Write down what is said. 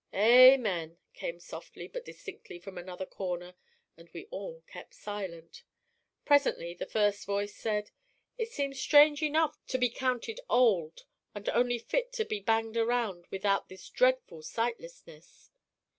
"Amen," came softly, but distinctly, from another corner and we all kept silent. Presently the first voice said: "It seems strange enough to be counted old and only fit to be banged around without this dreadful sightlessness."